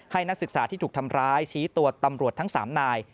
นักศึกษาที่ถูกทำร้ายชี้ตัวตำรวจทั้ง๓นาย